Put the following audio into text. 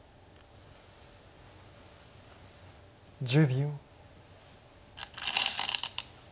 １０秒。